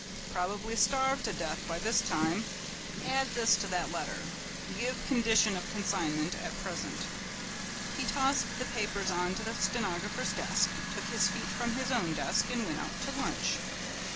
"Probably starved to death by this time! Add this to that letter: 'Give condition of consignment at present.'" He tossed the papers on to the stenographer's desk, took his feet from his own desk and went out to lunch.